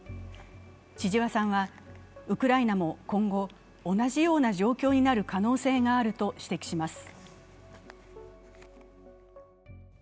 千々和さんはウクライナも今後同じような状況になる可能性があると指摘します。